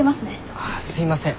あすいません。